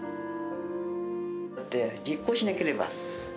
だって、実行しなければ。